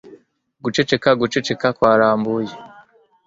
Guceceka guceceka kwarambuye